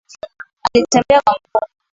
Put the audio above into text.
Alitembea kwa mguu